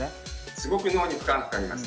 すごく脳に負荷がかかります。